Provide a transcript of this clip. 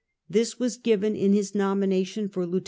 This was given in his nomination for Lieut.